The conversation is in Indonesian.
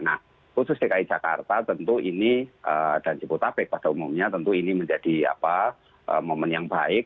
nah khusus dki jakarta tentu ini dan jabotabek pada umumnya tentu ini menjadi momen yang baik